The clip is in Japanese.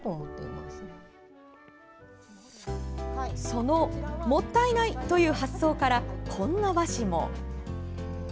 その「もったいない」という発想から、こんな和紙も。